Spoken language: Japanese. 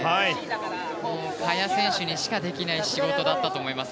萱選手にしかできない仕事だったと思います。